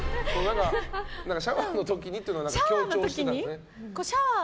シャワーの時にっていうのを強調してましたけど。